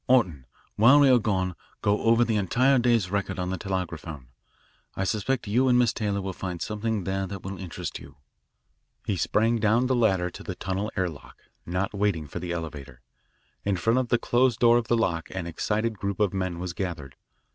Orton, while we are gone, go over the entire day's record on the telegraphone. I suspect you and Miss Taylor will find something there that will interest you." He sprang down the ladder to the tunnel air lock, not waiting for the elevator. In front of the closed door of the lock, an excited group of men was gathered.